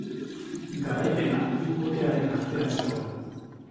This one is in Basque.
Garaipena hirukotearen artean zegoen.